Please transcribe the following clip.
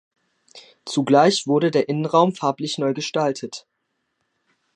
Zugleich wurde der Innenraum farblich neu gestaltet.